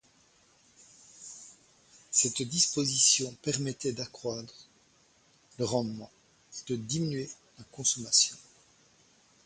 Cette disposition permettait d'accroître le rendement et de diminuer la consommation.